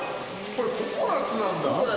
これ、ココナツなんだ。